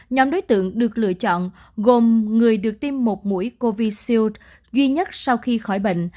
nhóm đối tượng được lựa chọn gồm người được tiêm một mũi covid một mươi chín duy nhất sau khi khỏi bệnh